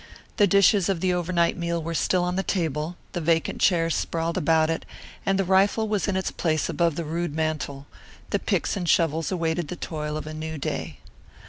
The dishes of the overnight meal were still on the table; the vacant chairs sprawled about it; and the rifle was in its place above the rude mantel; the picks and shovels awaited the toil of a new day.